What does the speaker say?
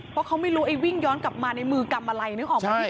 เพราะเขาไม่รู้ไอ้วิ่งย้อนกลับมาในมือกำอะไรเนี่ยเหรอครับพี่ขุย